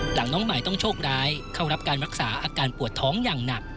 หลังน้องใหม่ต้องโชคร้ายเข้ารับการรักษาอาการปวดท้องอย่างหนัก